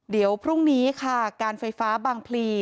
เดี๋ยวพรุ่งนี้ค่ะการไฟฟ้าบางพลี